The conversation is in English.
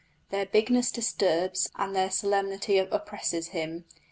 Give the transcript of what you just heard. Their bigness disturbs and their solemnity oppresses him.